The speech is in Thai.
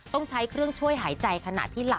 ต้องใช้เครื่องช่วยหายใจขณะที่หลับ